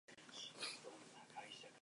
人工智慧的大未來